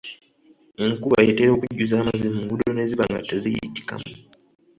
Enkuba etera okujjuza amazzi mu nguudo ne ziba nga teziyitikamu.